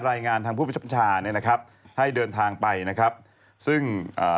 รายงานทางผู้ประชาเนี้ยนะครับให้เดินทางไปนะครับซึ่งเอ่อ